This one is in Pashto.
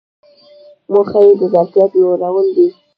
موخه یې د ظرفیت لوړول دي.